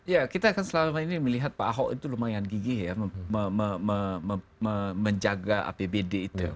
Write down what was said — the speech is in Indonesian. ya kita kan selama ini melihat pak ahok itu lumayan gigih ya menjaga apbd itu